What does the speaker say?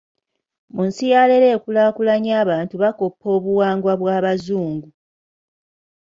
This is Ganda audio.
Mu nsi ya leero ekulaakulanye, abantu bakoppa obuwangwa bw'abazungu.